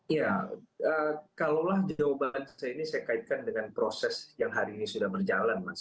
ya kalaulah jawaban saya ini saya kaitkan dengan proses yang hari ini sudah berjalan mas